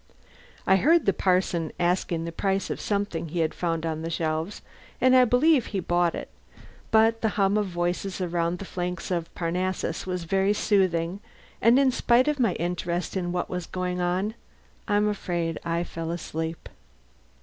I heard the parson asking the price of something he had found on the shelves, and I believe he bought it; but the hum of voices around the flanks of Parnassus was very soothing, and in spite of my interest in what was going on I'm afraid I fell asleep.